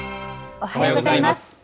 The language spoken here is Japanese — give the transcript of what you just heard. おはようございます。